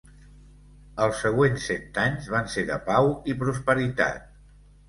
Els següents cent anys van ser de pau i prosperitat.